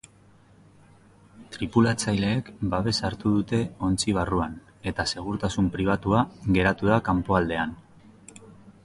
Tripulatzaileek babesa hartu dute ontzi barruan eta segurtasun pribatua geratu da kanpoaldean.